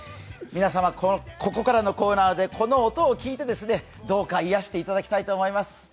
皆様ここからのコーナーでこの音を聴いてどうか癒していただきたいと思います。